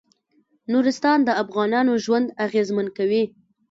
نورستان د افغانانو ژوند اغېزمن کوي.